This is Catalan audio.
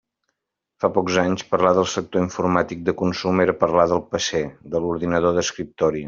Fa pocs anys, parlar del sector informàtic de consum era parlar del PC, de l'ordinador d'escriptori.